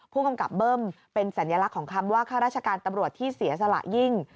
ผู้กำกับเบิ้มเป็นสัญลักษณ์ของคำว่าข้าราชการตำรวจที่เสียสละยิ่ง